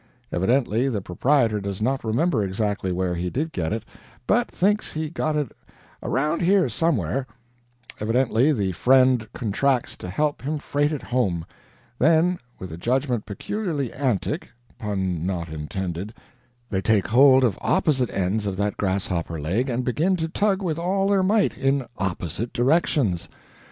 Evidently the proprietor does not remember exactly where he did get it, but thinks he got it "around here somewhere." Evidently the friend contracts to help him freight it home. Then, with a judgment peculiarly antic (pun not intended), they take hold of opposite ends of that grasshopper leg and begin to tug with all their might in opposite directions.